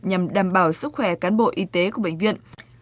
nhằm đảm bảo sức khỏe cán bộ y tế của bệnh viện